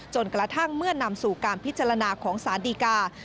จนกระทั่งเมื่อนำสู่การพิจารณาของสารดีกา